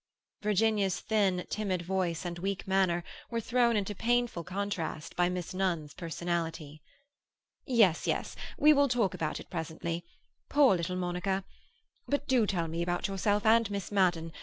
Virginia's thin, timid voice and weak manner were thrown into painful contrast by Miss Nunn's personality. "Yes, yes; we will talk about it presently. Poor little Monica! But do tell me about yourself and Miss Madden.